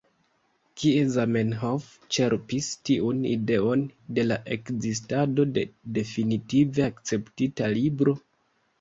Kie Zamenhof ĉerpis tiun ideon de la ekzistado de definitive akceptita Libro?